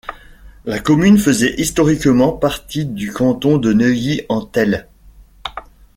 La commune faisait historiquement partie du canton de Neuilly-en-Thelle.